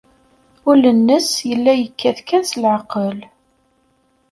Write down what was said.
Ul-nnes yella yekkat kan s leɛqel.